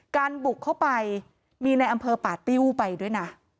บุกเข้าไปมีในอำเภอป่าติ้วไปด้วยนะ